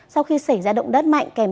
sau khi xảy ra động đất mạnh kèm thiệt hại